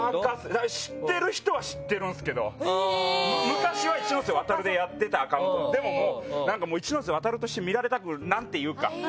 だから、知っている人は知っているんですけど昔は一ノ瀬ワタルでやっていたアカウントでも、もう何か一ノ瀬ワタルとして見られたくないから何ていうか。